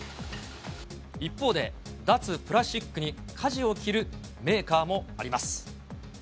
一方で、脱プラスチックにかじを切るメーカーもあります。